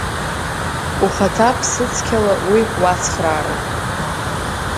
Ухаҭа ԥсыцқьала уи уацхраароуп.